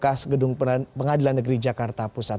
dan juga di gedung pengadilan negeri jakarta pusat